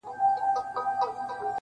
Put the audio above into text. • چي هر ځای وینم کارګه له رنګه تور وي -